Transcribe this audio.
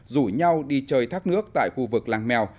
rủ nhau đi chơi thác nước tại khu vực làng mèo